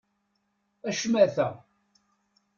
A ccmata!